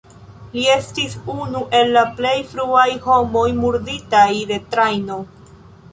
Li estis unu el la plej fruaj homoj murditaj de trajno.